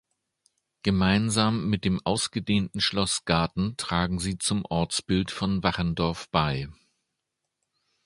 Gemeinsam mit dem ausgedehnten Schlossgarten tragen sie zum Ortsbild von Wachendorf bei.